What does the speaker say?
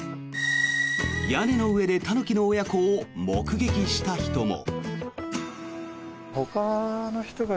屋根の上でタヌキの親子を目撃した人も。